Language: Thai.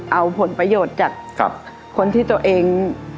เอาผลประโยชน์จากคนที่ตัวเอง